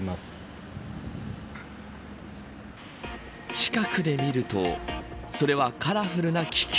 近くで見るとそれはカラフルな気球。